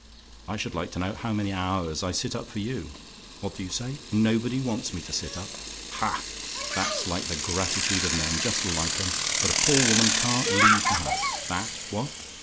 I should like to know how many hours I sit up for you? What do you say? "NOBODY WANTS ME TO SIT UP? "Ha! that's like the gratitude of men just like 'em! But a poor woman can't leave the house, that what?